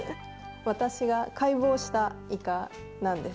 私が解剖したイカなんです。